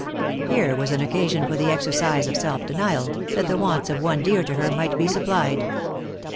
Here was an occasion for the exercise of self denial, that the wants of one dear to her might be supplied.